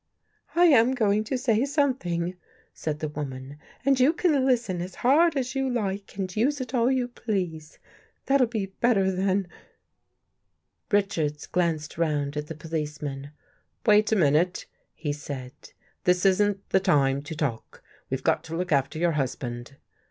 " I am going to say something," said the woman, " and you can listen as hard as you like and use it all you please. That'll be better than. ..." Richards glanced round at the policeman. " Wait a minute," he said. " This isn't the time to talk. We've got to look after your husband."